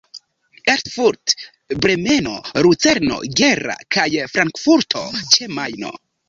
Erfurt, Bremeno, Lucerno, Gera kaj Frankfurto ĉe Majno.